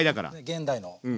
現代の。